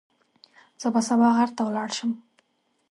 زه به سبا غر ته ولاړ شم.